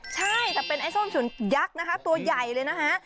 ใช่แต่เป็นไอ้ส้มฉุนยักษ์นะคะตัวใหญ่เลยนะคะ